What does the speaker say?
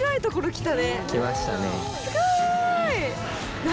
すごい！何？